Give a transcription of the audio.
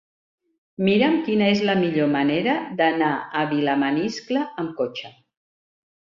Mira'm quina és la millor manera d'anar a Vilamaniscle amb cotxe.